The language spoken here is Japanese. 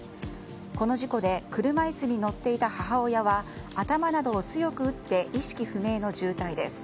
この事故で車椅子に乗っていた母親は頭などを強く打って意識不明の重体です。